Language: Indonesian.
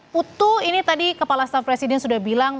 putu ini tadi kepala staf presiden sudah bilang